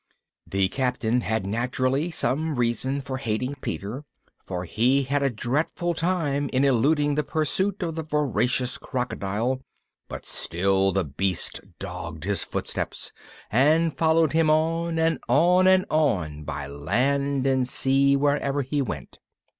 The Captain had naturally some reason for hating Peter, for he had a dreadful time in eluding the pursuit of the voracious crocodile, but still the beast dogged his footsteps, and followed him on and on and on by land and sea wherever he went.